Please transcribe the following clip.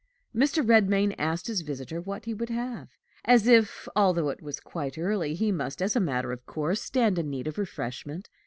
Mr. Redmain asked his visitor what he would have, as if, although it was quite early, he must, as a matter of course, stand in need of refreshment.